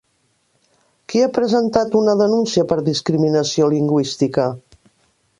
Qui ha presentat una denúncia per discriminació lingüística?